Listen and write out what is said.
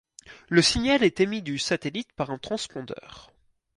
Le signal est émis du satellite par un transpondeur.